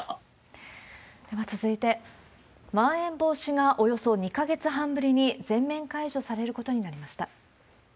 では続いて、まん延防止がおよそ２か月半ぶりに全面解除されることになりました。